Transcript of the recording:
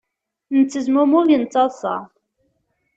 Nettezmumug nettaḍsa.